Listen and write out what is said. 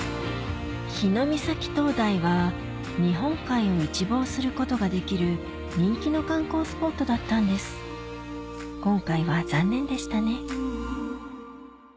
日御碕灯台は日本海を一望することができる人気の観光スポットだったんです今回は残念でしたね